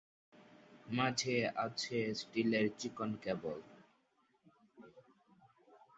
মাঝে আছে স্টিলের চিকন ক্যাবল।